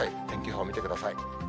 天気予報見てください。